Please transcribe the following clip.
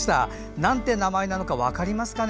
なんて名前なのか分かりますかね？